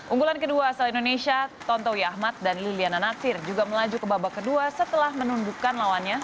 unggulan kedua asal indonesia tontowi ahmad dan liliana natsir juga melaju ke babak kedua setelah menundukkan lawannya